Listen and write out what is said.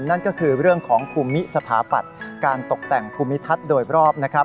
นั่นก็คือเรื่องของภูมิสถาปัตย์การตกแต่งภูมิทัศน์โดยรอบนะครับ